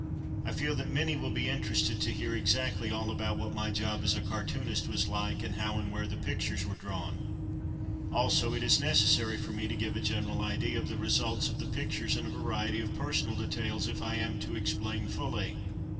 I feel that many will be interested to hear exactly all about what my job as a cartoonist w^s like, and how and where the pictures were drawn; also, it i§ necessary for me to give a general idea of the results of the pictures and a variety of personal details, if I am to explain fully.